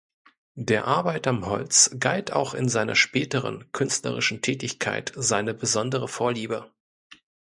Der Arbeit am Holz galt auch in seiner späteren künstlerischen Tätigkeit seine besondere Vorliebe.